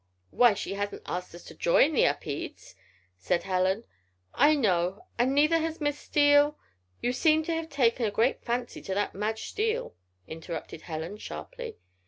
"Why, she hasn't asked us to join the Upedes," said Helen. "I know. And neither has Miss Steele " "You seem to have taken a great fancy to that Madge Steele," interrupted Helen, sharply.